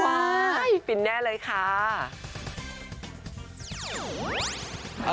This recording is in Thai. ฟินแน่เลยค่ะ